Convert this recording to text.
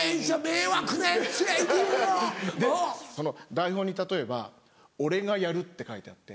台本に例えば「俺がやる」って書いてあって。